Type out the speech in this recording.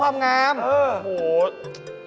ถ้าเป็นปากถ้าเป็นปาก